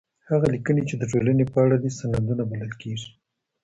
هغه ليکنې چي د ټولني په اړه دي، سندونه بلل کيږي.